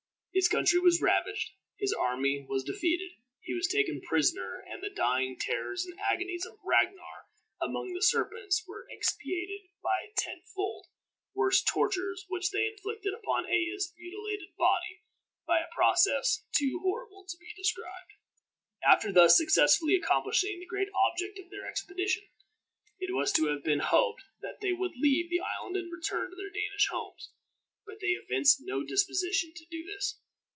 His country was ravaged, his army was defeated, he was taken prisoner, and the dying terrors and agonies of Ragnar among the serpents were expiated by tenfold worse tortures which they inflicted upon Ella's mutilated body, by a process too horrible to be described. After thus successfully accomplishing the great object of their expedition, it was to have been hoped that they would leave the island and return to their Danish homes. But they evinced no disposition to do this.